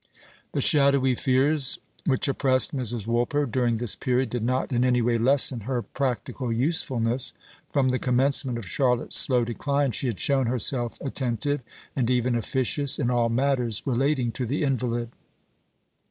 The shadowy fears which oppressed Mrs. Woolper during this period did not in any way lessen her practical usefulness. From the commencement of Charlotte's slow decline she had shown herself attentive, and even officious, in all matters relating to the invalid.